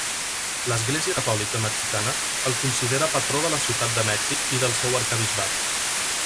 L'església catòlica mexicana el considera patró de la Ciutat de Mèxic i del seu arquebisbat.